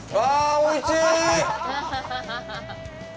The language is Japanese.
おいしい！